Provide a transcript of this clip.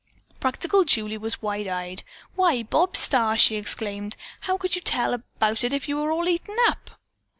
Practical Julie was wide eyed. "Why, Bob Starr," she exclaimed, "how could you tell about it after you were all eaten up?"